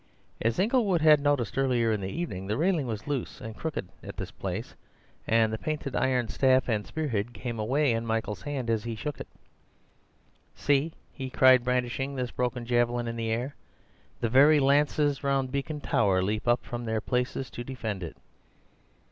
As Inglewood had noticed earlier in the evening, the railing was loose and crooked at this place, and the painted iron staff and spearhead came away in Michael's hand as he shook it. "See!" he cried, brandishing this broken javelin in the air, "the very lances round Beacon Tower leap from their places to defend it.